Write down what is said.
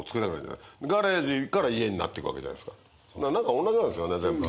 おんなじなんですよね全部。